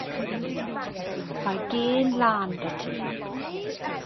Mae gên lân 'da ti.